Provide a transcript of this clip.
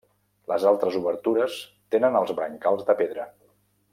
Les altres obertures tenen els brancals de pedra.